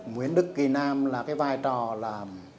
nguyễn đức việt nam là cái vai trò là